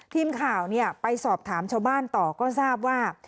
ทีมข่าวไปสอบถามชาวบ้านต่อก็ทราบว่า